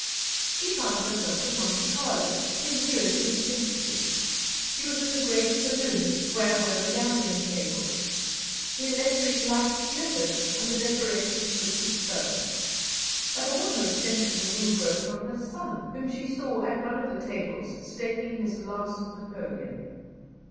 She found herself at Monte Carlo; she knew it instinctively. She was in the great saloon, where were the gaming tables. The electric lights glittered, and the decorations were superb. But all her attention was engrossed on her son, whom she saw at one of the tables, staking his last napoleon.